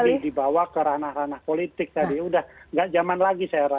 dibawa ke ranah ranah politik tadi udah gak zaman lagi saya rasa